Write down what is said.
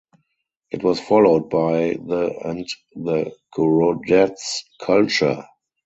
It was followed by the and the Gorodets culture.